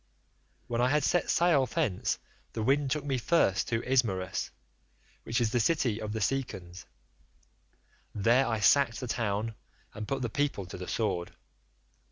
"When I had set sail thence the wind took me first to Ismarus, which is the city of the Cicons. There I sacked the town and put the people to the sword.